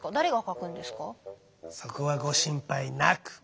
そこはご心配なく！